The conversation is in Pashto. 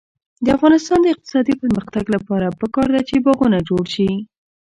د افغانستان د اقتصادي پرمختګ لپاره پکار ده چې باغونه جوړ شي.